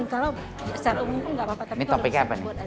nggak apa apa tapi itu ada sebut